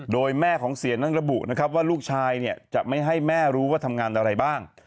โดยแม่ของเสียนั้นระบุนะครับว่าลูกชายเนี่ยจะไม่ให้แม่รู้ว่าทำงานอะไรบ้าง